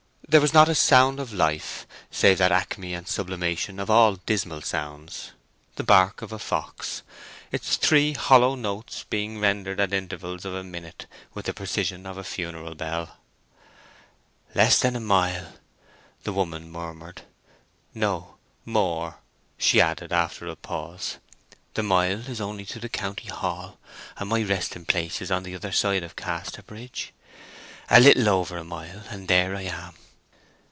There was not a sound of life save that acme and sublimation of all dismal sounds, the bark of a fox, its three hollow notes being rendered at intervals of a minute with the precision of a funeral bell. "Less than a mile!" the woman murmured. "No; more," she added, after a pause. "The mile is to the county hall, and my resting place is on the other side Casterbridge. A little over a mile, and there I am!"